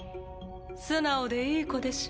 ⁉素直でいい子でしょ？